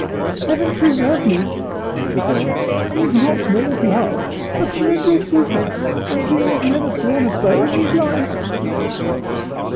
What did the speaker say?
"Heaven preserve me!" cried the girl, "he is not named Love, but Mendel Sucher, and he has never drawn a bow in his life."